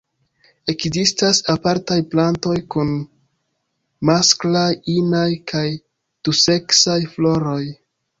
Ekzistas apartaj plantoj kun masklaj, inaj kaj duseksaj floroj.